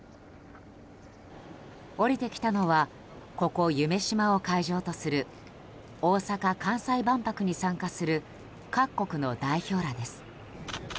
降りてきたのはここ夢洲を会場とする大阪・関西万博に参加する各国の代表らです。